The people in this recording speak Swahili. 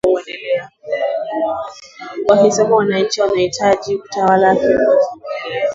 na kusema wananchi wanahitaji utawala kiongozi huyo uendelea